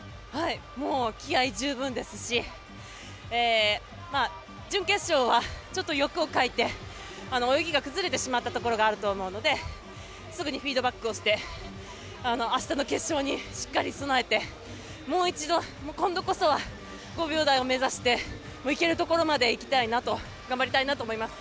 気合十分ですし、準決勝はちょっと欲をかいて泳ぎが崩れてしまったところがあるとは思うのですぐにフィードバックして明日の決勝にしっかり備えてもう一度、今度こそは５秒台を目指していけるところまでいきたいなと頑張りたいなと思います。